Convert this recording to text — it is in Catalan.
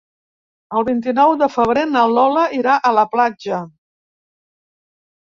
El vint-i-nou de febrer na Lola irà a la platja.